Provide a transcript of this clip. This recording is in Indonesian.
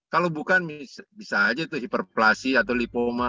kalau bukan bisa aja itu hiperplasi atau lipoma